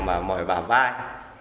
mà mỏi bả vai